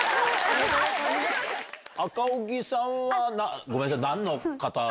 赤荻さんはごめんなさい何の方？